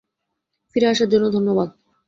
ফিরে আসার জন্য ধন্যবাদ।